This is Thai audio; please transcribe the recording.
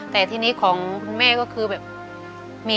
แต่ทีนี้ของคุณแม่ก็คือแบบ